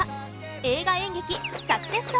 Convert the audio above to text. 『映画演劇サクセス荘』。